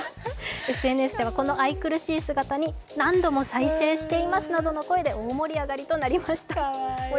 ＳＮＳでは、この愛くるしい姿に、何度も再生していますということで大盛り上がりとなりました。